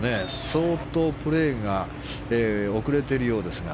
相当プレーが遅れているようですが。